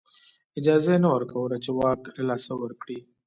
اجازه یې نه ورکوله چې واک له لاسه ورکړي